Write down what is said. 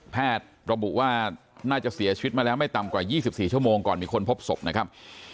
แพทย์ระบุว่าน่าจะเสียชีวิตมาแล้วไม่ต่ำกว่า๒๔ชั่วโมงก่อนมีคนพบศพนะครับ